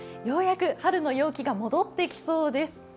ようやく春の陽気が戻ってきそうです。